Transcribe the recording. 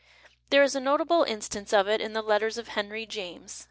There is a notable instance of it in the Letters of Henry James.